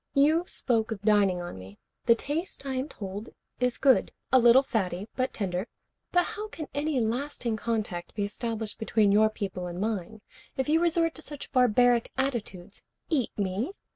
You spoke of dining on me. The taste, I am told, is good. A little fatty, but tender. But how can any lasting contact be established between your people and mine if you resort to such barbaric attitudes? Eat me?